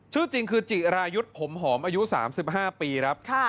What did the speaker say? ชื่อจริงคือจิรายุทธ์ผมหอมอายุ๓๕ปีครับ